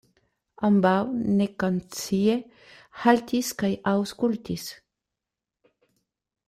Ambaŭ nekonscie haltis kaj aŭskultis.